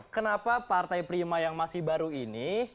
kenapa partai prima yang masih baru ini